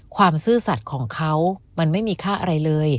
ซื่อสัตว์ของเขามันไม่มีค่าอะไรเลย